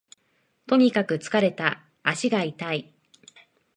とにかく疲れた、足が痛い